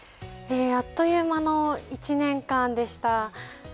あっという間の１年間でした。